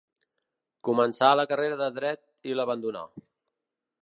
Començà la carrera de Dret i l'abandonà.